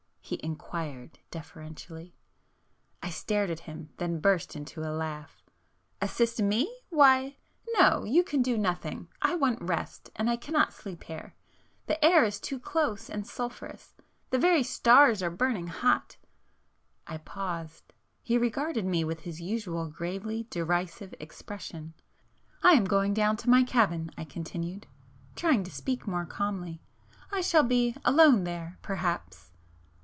he inquired deferentially. I stared at him,—then burst into a laugh. "Assist me? Why no!—you can do nothing. I want rest, ... and I cannot sleep here, ... the air is too close and sulphureous,——the very stars are burning hot! ..." I paused,—he regarded me with his usual gravely derisive expression. "I am going down to my cabin"—I continued, trying to speak more calmly——"I shall be alone there ... perhaps!"